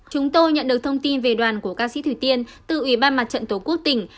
chúng tôi nhận được thông tin về đoàn của ca sĩ thủy tiên từ ủy ban mặt trận tổ quốc tỉnh